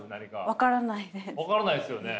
分からないですよね。